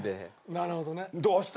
なるほどね。